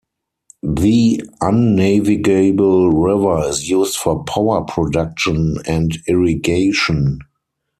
The unnavigable river is used for power production and irrigation.